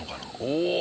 おお！